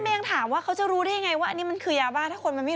มีความคิดอะไรแบบแบบไม่เป็นไร